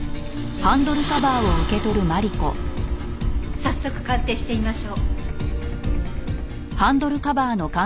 早速鑑定してみましょう。